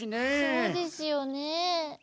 そうですよね。